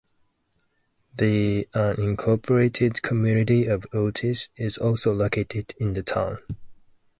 The unincorporated community of Otis is also located in the town.